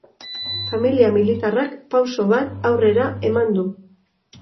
Familia militarrak pauso bat aurrera eman du.